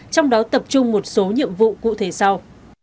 trong đó tập trung một số nhiệm vụ cụ thể sau